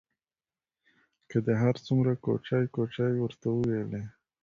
که دې هر څومره کوچې کوچې ورته وویلې.